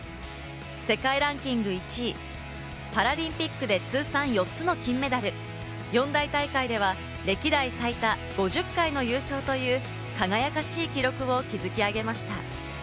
世界ランキング１位、パラリンピックで通算４つの金メダル、４大大会では歴代最多５０回の優勝という輝かしい記録を築き上げました。